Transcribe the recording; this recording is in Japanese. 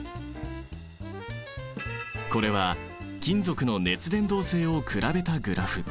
これは金属の熱伝導性を比べたグラフ。